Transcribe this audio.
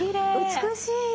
美しい。